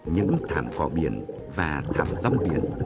những thảm cỏ biển và thảm giống biển